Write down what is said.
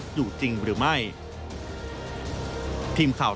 ควบคุมสาว